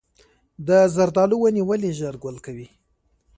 د زردالو ونې ولې ژر ګل کوي؟